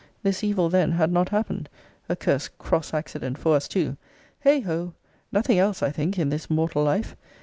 This evil then had not happened! a cursed cross accident for us, too! Heigh ho! nothing else, I think, in this mortal life!